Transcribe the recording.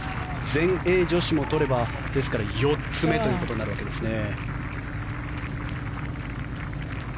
全英女子も取ればですから４つ目ということになるわけですね。